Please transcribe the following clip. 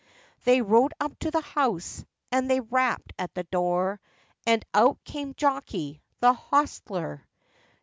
They rode up to the house, and they rapped at the door, And out came Jockey, the hosteler.